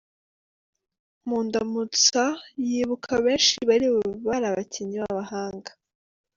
Mu Ndamutsa yibuka benshi bari abakinnyi b’abahanga.